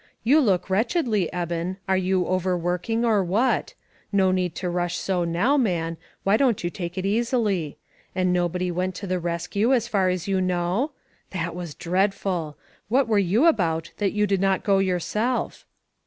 You look wretchedly, Eben, are you overworking, or what ? No need to rush so now, man ; why don't you take it easily? And nobody went to the rescue, so far as you know? 483 484 ONE COMMONPLACE DAY. That was dreadful ! What were you about that you did not go yourself?"